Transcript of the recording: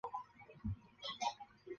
以下是知名的网页浏览器的列表。